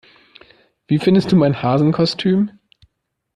Wie findest du mein Hasenkostüm?